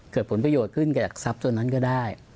เกิดผลประโยชน์ขึ้นกับทรัพย์ตัวนั้นก็ได้